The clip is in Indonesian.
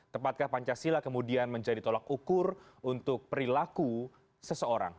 tepatkah pancasila kemudian menjadi tolak ukur untuk perilaku seseorang